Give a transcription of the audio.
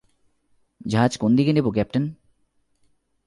জাহাজ কোনদিকে নেবো, ক্যাপ্টেন?